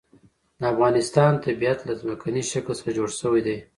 د افغانستان طبیعت له ځمکنی شکل څخه جوړ شوی دی.